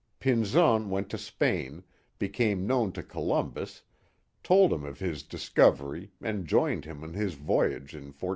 Pinzon went to Spain, became known to Columbus, told him of his discovery, and joined him on his voyage in 1492.